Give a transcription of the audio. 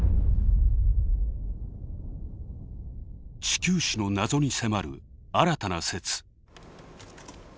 地球史の謎に迫る新たな説。